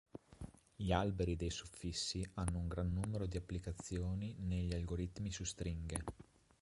Gli alberi dei suffissi hanno un gran numero di applicazioni negli algoritmi su stringhe.